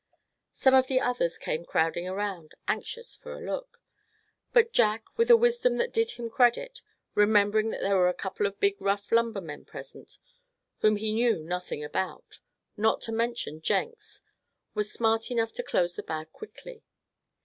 Some of the others came crowding around, anxious for a look; but Jack, with a wisdom that did him credit, remembering that there were a couple of big rough lumbermen present, whom he knew nothing about, not to mention Jenks, was smart enough to close the bag quickly.